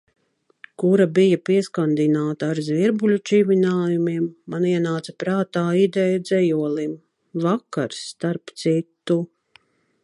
Kura bija pieskandināta ar zvirbuļu čivinājumiem, man ienāca prātā ideja dzejolim. Vakar, starp citu.